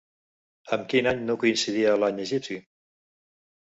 Amb quin any no coincidia l'any egipci?